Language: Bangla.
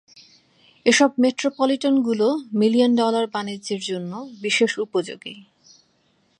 এসব মেট্রোপলিটন গুলো মিলিয়ন ডলার বাণিজ্যের জন্য বিশেষ উপযোগী।